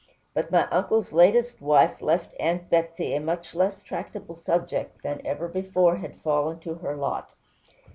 But my uncle's latest wife left Aunt Betsey a much less tractable subject than ever before had fallen to her lot.